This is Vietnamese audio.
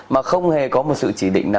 mà không hề có một sự chỉ định